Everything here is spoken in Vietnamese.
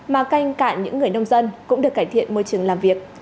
mà canh cả những người nông dân cũng được cải thiện môi trường làm việc